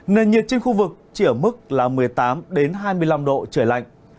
nền nhiệt trên khu vực chỉ ở mức là một mươi tám hai mươi năm độ trời lạnh